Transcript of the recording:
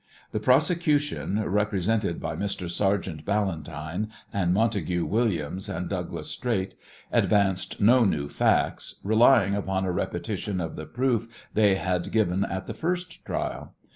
The prosecution, represented by Mr. Sergeant Ballantine and Montague Williams and Douglas Straight, advanced no new facts, relying upon a repetition of the proof they had given at the first trial.